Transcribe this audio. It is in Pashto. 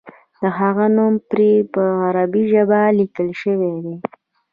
د هغه نوم پرې په عربي ژبه لیکل شوی دی.